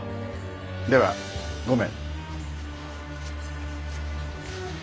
ではごめん。